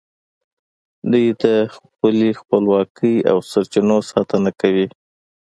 دوی د خپلې خپلواکۍ او سرچینو ساتنه کوي